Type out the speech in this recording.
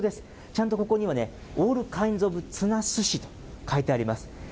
ちゃんとここにはね、オール・カインド・オブ・ツナスシと書いてあります。